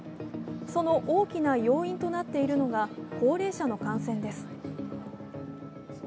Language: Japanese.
その大きな要因となっているのが高齢者の感染です。